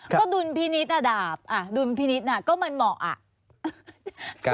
ก็ดุลพินิษฐ์ดาบดุลพินิษฐ์ก็มันเหมาะอะ